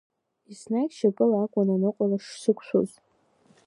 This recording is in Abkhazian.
Еснагь шьапыла акәын аныҟәара шсықәшәоз.